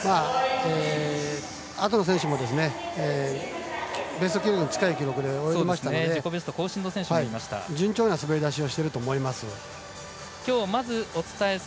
あとの選手もベスト記録に近い記録で泳ぎましたので順調な滑り出しをしていると思います。